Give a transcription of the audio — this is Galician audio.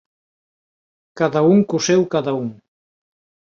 Cada un co seu cada un.